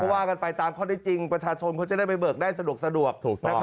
ว่ากันไปตามข้อได้จริงประชาชนเขาจะได้ไปเบิกได้สะดวก